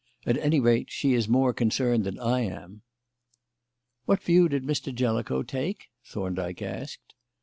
At any rate, she is more concerned than I am." "What view did Mr. Jellicoe take?" Thorndyke asked.